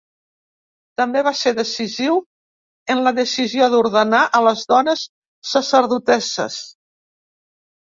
També va ser decisiu en la decisió d'ordenar a les dones sacerdotesses.